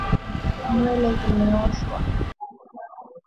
Nywele zimeoshwa